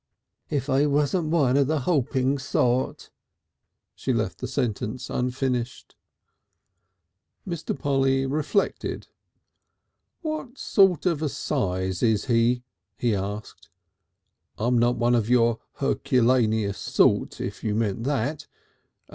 If I wasn't one of the hoping sort " She left the sentence unfinished. Mr. Polly reflected. "What sort of a size is he?" he asked. "I'm not one of your Herculaceous sort, if you mean that.